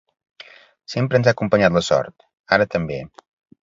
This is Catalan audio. Sempre ens ha acompanyat la sort, ara també.